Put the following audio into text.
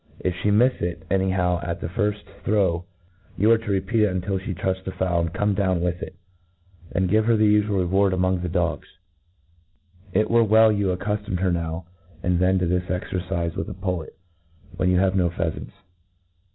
If (he mife it any how at the firft throw, you arc to repeat it, until fhe trufs the fowl, and come down with it. Then give her the ufual reward among the dogs. It were well you accuftomed her now and then to this excrcife with a pullet, when you have no pheafants.